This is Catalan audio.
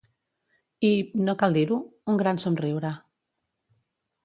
I, no cal dir-ho, un gran somriure.